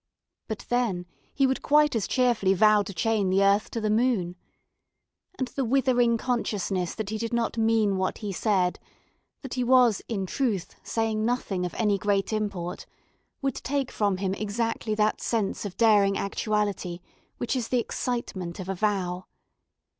But, then, he would quite as cheerfully vow to chain the earth to the moon. And the withering consciousness that he did not mean what he said, that he was, in truth, saying nothing of any great import, would take from him exactly that sense of daring actuality which is the excitement of a vow.